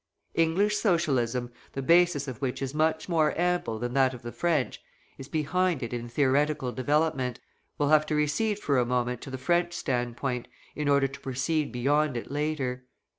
English Socialism, the basis of which is much more ample than that of the French, is behind it in theoretical development, will have to recede for a moment to the French standpoint in order to proceed beyond it later.